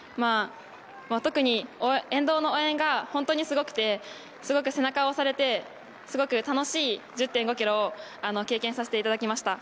特に沿道の応援が本当にすごくてすごく背中を押されて楽しい１０．５キロを経験させていただきました。